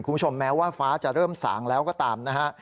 แม้ว่าฟ้าจะเริ่มสางแล้วก็ตามนะฮะ